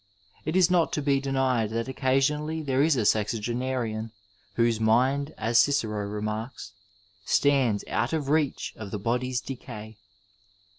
It is not to be denied that occasionally there is a sexagenarian whose mind, as Cicero remarks, stands out of reach of the body's decay.